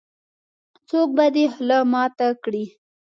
-څوک به دې خوله ماته کړې.